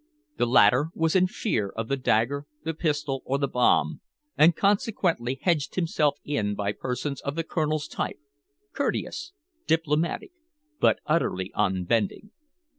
The latter was in fear of the dagger, the pistol, or the bomb, and consequently hedged himself in by persons of the Colonel's type courteous, diplomatic, but utterly unbending.